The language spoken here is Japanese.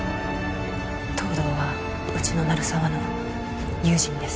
東堂はうちの鳴沢の友人です